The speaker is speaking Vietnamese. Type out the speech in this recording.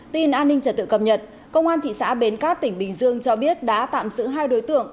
tin an ninh trật tự cập nhật công an thị xã bến cát tỉnh bình dương cho biết đã tạm giữ hai đối tượng